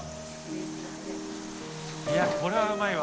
いやこれはうまいわ。